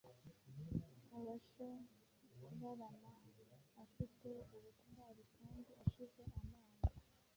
Abasha kurarama afite ubutwari kandi ashize amanga,